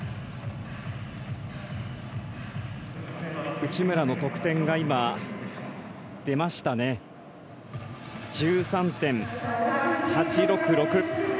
内村の得点が出ました。１３．８６６。